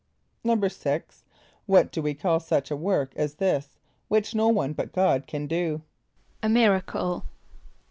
= =6.= What do we call such a work as this, which no one but God can do? =A miracle.